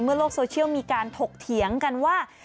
โลกโซเชียลมีการถกเถียงกันว่า